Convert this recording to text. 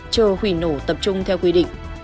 chờ hủy nổ tập trung theo quy định